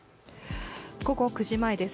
午後９時前です。